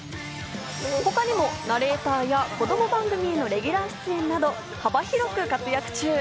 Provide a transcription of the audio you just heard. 他にもナレーターや子供番組のレギュラー出演など幅広く活躍中。